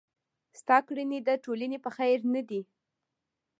ستا کړني د ټولني په خير نه دي.